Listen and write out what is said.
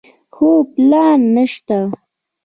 خو پلان نشته.